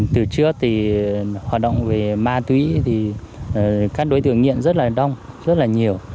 từ trước thì hoạt động về ma túy thì các đối tượng nghiện rất là đông rất là nhiều